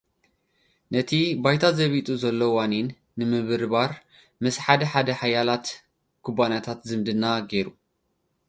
ነቲ ባይታ ዘቢጡ ዘሎ ዋኒኑ ንምብርባር፡ ምስ ሓደ-ሓደ ሓያላት ኩባንያታት ዝምድና ገይሩ።